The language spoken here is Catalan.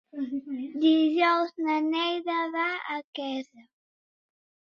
Dijous na Neida va a Quesa.